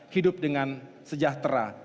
hidup dengan sejahtera